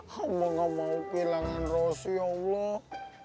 hamba gak mau kehilangan rosi ya allah